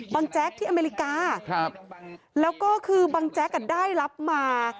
แจ๊กที่อเมริกาแล้วก็คือบังแจ๊กได้รับมา